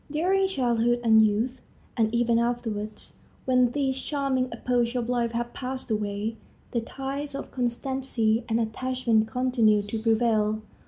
During childhood and youth, and even afterwards, when these charming epochs of life have passed away, the ties of constancy and attachment continue to prevail.